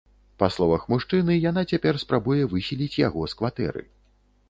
Па словах мужчыны, яна цяпер спрабуе выселіць яго з кватэры.